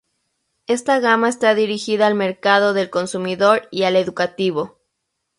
Esta gama está dirigida al mercado del consumidor y al educativo.